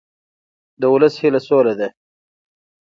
د ولس هیله سوله ده